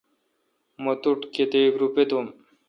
مہ تو ٹھ کتیک روپے دوم۔